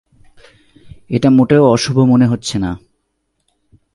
এটা মোটেও অশুভ মনে হচ্ছে না।